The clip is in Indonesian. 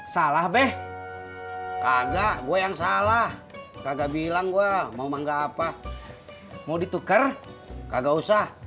salah deh kagak gue yang salah kagak bilang gue mau mangga apa mau ditukar kagak usah